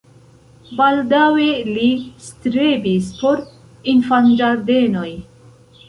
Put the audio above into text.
Baldaŭe li strebis por infanĝardenoj.